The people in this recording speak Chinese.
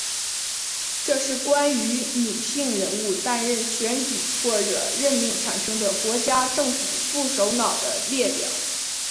这是关于女性人物担任选举或者任命产生的国家政府副首脑的列表。